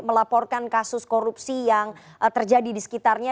melaporkan kasus korupsi yang terjadi di sekitarnya